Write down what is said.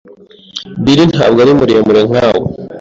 Bill ntabwo ari muremure nkawe.